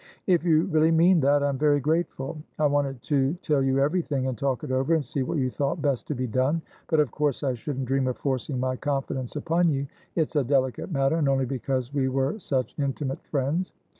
"If you really mean that, I am very grateful. I wanted to tell you everything, and talk it over, and see what you thought best to be done. But of course I shouldn't dream of forcing my confidence upon you. It's a delicate matter and only because we were such intimate friends."